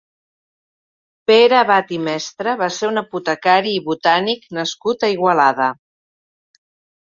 Pere Abat i Mestre va ser un apotecari i botànic nascut a Igualada.